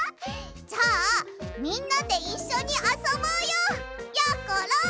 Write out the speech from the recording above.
じゃあみんなでいっしょにあそぼうよやころ！